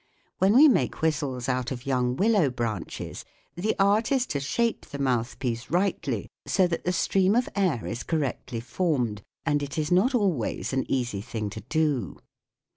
When we make whistles out of young willow branches the art is to shape the mouth piece rightly so that the stream of air is correctly formed, and it is not al ways an easy thing to do.